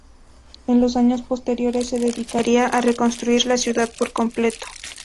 En los años posteriores se dedicaría a reconstruir la ciudad por completo.